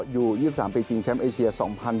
อยู่๒๓ปีชิงแชมป์เอเชีย๒๐๑๖